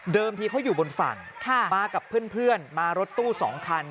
ที่เขาอยู่บนฝั่งมากับเพื่อนมารถตู้๒คัน